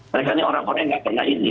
mereka ini orang orang yang nggak pernah ini